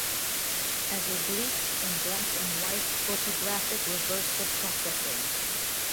As a bleach in black and white photographic reversal processing.